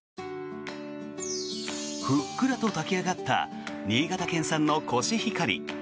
ふっくらと炊き上がった新潟県産のコシヒカリ。